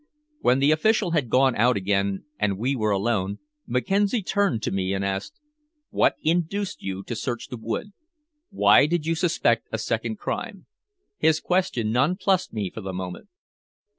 When the official had gone out again and we were alone, Mackenzie turned to me and asked "What induced you to search the wood? Why did you suspect a second crime?" His question nonplused me for the moment.